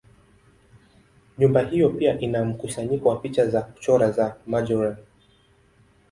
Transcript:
Nyumba hiyo pia ina mkusanyiko wa picha za kuchora za Majorelle.